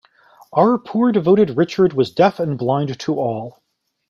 Our poor devoted Richard was deaf and blind to all.